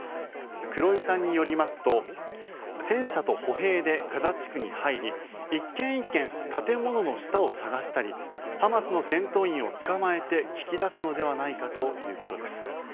黒井さんによりますと戦車と歩兵でガザ地区に入り１軒１軒、建物の下を探したりハマスの戦闘員を捕まえて聞き出すのではないかということです。